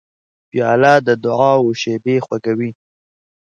پیاله د دعاو شېبې خوږوي.